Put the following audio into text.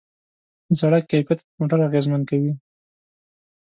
د سړک کیفیت موټر اغېزمن کوي.